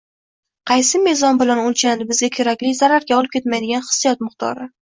Qaysi mezon bilan o‘lchanadi bizga kerakli, zararga o‘tib ketmaydigan hissiyot miqdori?